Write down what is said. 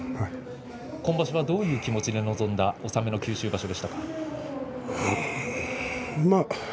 今場所はどういう気持ちで臨んだ納めの九州場所でしたか。